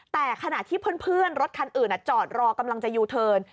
แต่ขณะที่เพื่อนรถคันอื่นจอดรอกำลังจะยูเทิร์น